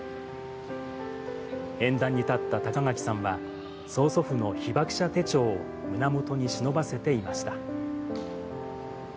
演壇に立った高垣さんは、曽祖父の被爆者手帳を胸元に忍ばせていました。